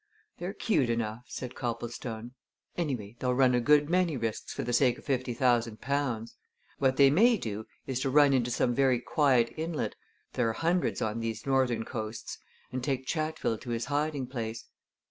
"They're cute enough," said Copplestone. "Anyway, they'll run a good many risks for the sake of fifty thousand pounds. What they may do is to run into some very quiet inlet there are hundreds on these northern coasts and take Chatfield to his hiding place.